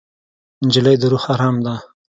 نجلۍ د روح ارام ده.